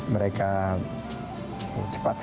mereka cepat sekali menangkap realitas